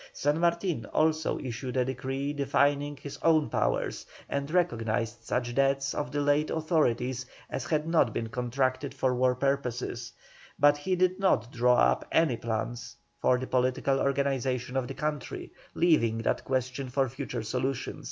San Martin also issued a decree defining his own powers, and recognised such debts of the late authorities as had not been contracted for war purposes; but he did not draw up any plan for the political organization of the country, leaving that question for future solution.